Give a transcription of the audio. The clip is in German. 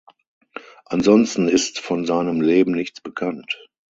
Ansonsten ist von seinem Leben nichts bekannt.